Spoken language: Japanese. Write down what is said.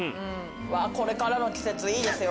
これからの季節いいですよ